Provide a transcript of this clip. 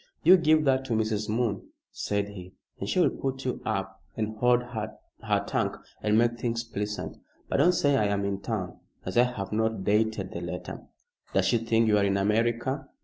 "You give that to Mrs. Moon," said he, "and she will put you up and hold her tongue and make things pleasant. But don't say I am in town, as I have not dated the letter." "Does she think you are in America?"